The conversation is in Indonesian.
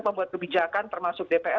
pembuat kebijakan termasuk dpr